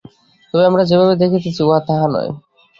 তবে আমরা যেভাবে দেখিতেছি, উহা তাহা নয়।